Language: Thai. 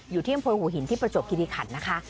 อยู่เที่ยงโพยหูหินที่ประจวบกิริขันต์นะคะ